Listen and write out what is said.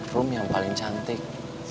rum yang paling cantik